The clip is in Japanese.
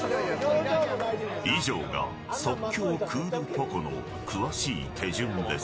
以上が、即興クールポコ。の詳しい手順です。